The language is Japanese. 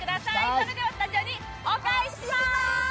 それではスタジオにお返しします。